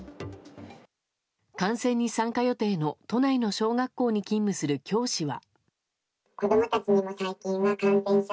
観戦に参加予定の都内の小学校に勤務する教師は。